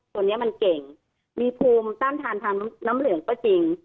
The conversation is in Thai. ตัวนี้มันเก่งมีภูมิต้านทานทางน้ำเหลืองก็จริง